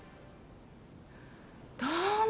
どうも！